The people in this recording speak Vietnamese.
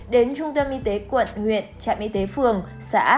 đến trung tâm y tế quận huyện trạm y tế phường xã